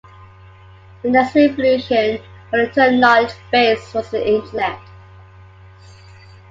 The next evolution for the term knowledge-base was the Internet.